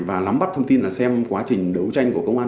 và nắm bắt thông tin là xem quá trình đấu tranh của công an